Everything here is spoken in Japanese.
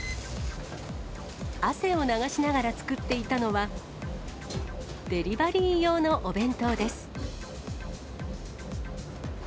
汗を流しながら作っていたのは、デリバリー用のお弁当です。